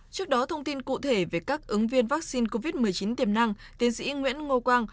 trước đó thông tin cụ thể về các ứng viên vaccine covid một mươi chín tiềm năng tiến sĩ nguyễn ngô quang